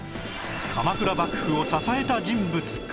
鎌倉幕府を支えた人物から